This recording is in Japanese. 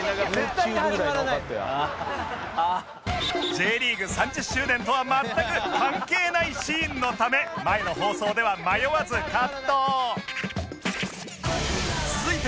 Ｊ リーグ３０周年とは全く関係ないシーンのため前の放送では迷わずカット